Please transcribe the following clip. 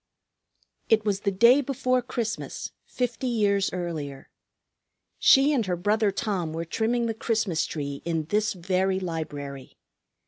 It was the day before Christmas, fifty years earlier. She and her brother Tom were trimming the Christmas tree in this very library.